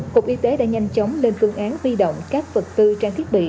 cục y tế đã nhanh chóng lên phương án huy động các vật tư trang thiết bị